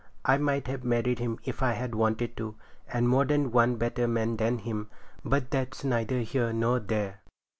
I might have married him if I had wanted to, and more than one better man than him; but that's neither here nor there.